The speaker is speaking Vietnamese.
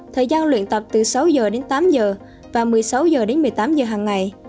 thời gian luyện tập từ sáu h tám h và một mươi sáu h một mươi tám h hàng ngày